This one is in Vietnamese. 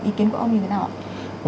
ý kiến của ông như thế nào ạ